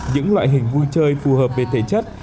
những loại hình vui chơi phù hợp về thể chất